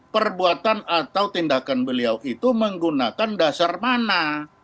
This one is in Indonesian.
perbuatan atau tindakan beliau itu menggunakan dasar mana